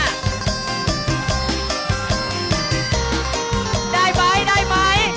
ได้ไหมได้ไหม